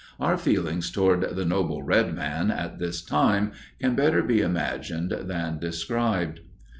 Our feelings toward the "Noble Red Man" at this time can better be imagined than described.